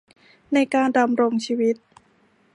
ในการดำรงชีวิต